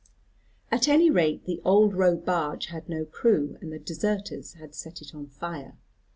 At any rate the "Old Row Barge" had no crew, and the deserters had set it on fire.